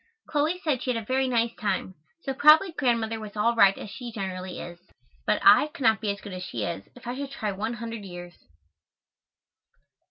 Chloe said she had a very nice time, so probably Grandmother was all right as she generally is, but I could not be as good as she is, if I should try one hundred years.